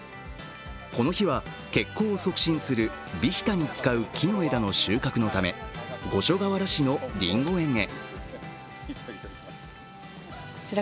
この日は血行を促進するヴィヒタに使う木の枝の収穫のため五所川原市のりんご園へ。